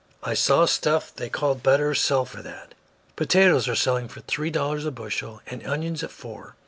I saw stuff they called butter sell for that. Potatoes are selling for three dollars a bushel and onions at four.